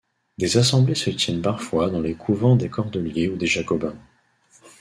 Des assemblées se tiennent parfois dans les couvents des Cordeliers ou des Jacobins.